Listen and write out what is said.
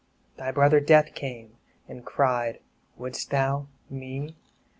4 Thy brother Death came, and cried, "Wouldst thou me?"